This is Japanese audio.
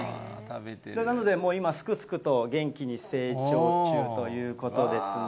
なので、今、すくすくと元気に成長中ということですね。